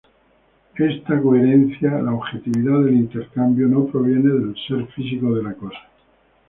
Esta coherencia, la objetividad del intercambio, no proviene del ser físico de la cosa.